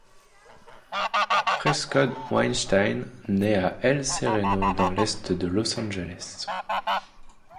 Prescod-Weinstein naît à El Sereno, dans l'est de Los Angeles.